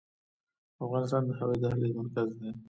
افغانستان د هوایي دهلیز مرکز دی؟